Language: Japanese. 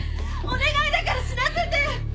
お願いだから死なせて。